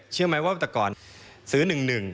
เชื่อไหมว่าแต่ก่อนซื้อ๑๑